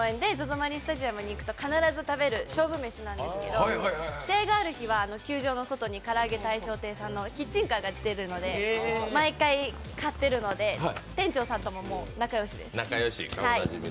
マリンスタジアムに行くと必ず食べると勝負めしなんですけど試合がある日はからあげ大将亭さんのキッチンカーが出てるので毎回、買っているので店長さんとも仲良しです。